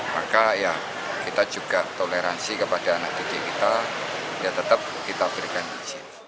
maka ya kita juga toleransi kepada anak didik kita ya tetap kita berikan izin